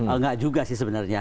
enggak juga sih sebenarnya